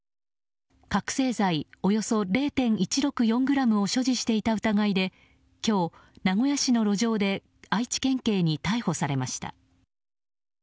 覚醒剤およそ０．１６４ｇを所持していた疑いで今日、名古屋市の路上で愛知県警に逮捕されました。